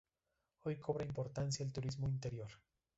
Hoy cobra importancia el turismo interior.